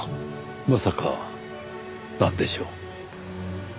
まさかなんでしょう？